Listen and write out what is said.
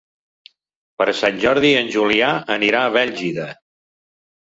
Per Sant Jordi en Julià anirà a Bèlgida.